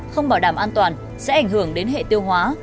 không bảo đảm an toàn sẽ ảnh hưởng đến hệ tiêu hóa